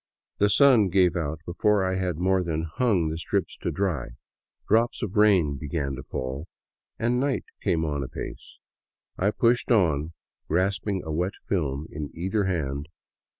The sun gave out before I had more than hung the strips up to dry, drops of rain began to fall, and night came on apace. I pushed on, grasping a wet film in either hand.